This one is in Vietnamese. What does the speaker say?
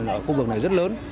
ở khu vực này rất lớn